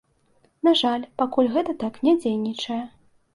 На жаль, пакуль гэта так не дзейнічае.